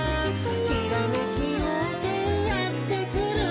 「ひらめきようせいやってくる」